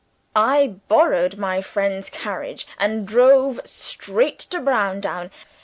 I borrowed my friend's carriage, and drove straight to Browndown.